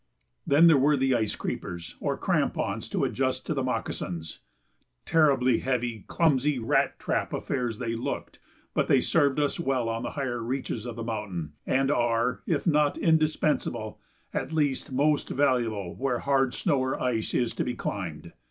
Then there were the ice creepers or crampons to adjust to the moccasins terribly heavy, clumsy rat trap affairs they looked, but they served us well on the higher reaches of the mountain and are, if not indispensable, at least most valuable where hard snow or ice is to be climbed.